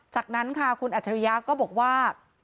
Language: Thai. จากนั้นค่ะคุณอัจฉริยะก็บอกว่า